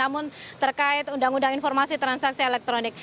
namun terkait undang undang informasi transaksi elektronik